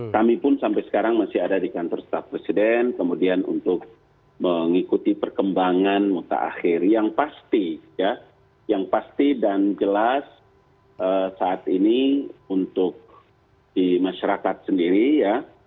kami pun sampai sekarang masih ada di kantor staf presiden kemudian untuk mengikuti perkembangan mutak akhir yang pasti ya yang pasti dan jelas saat ini untuk di masyarakat sendiri ya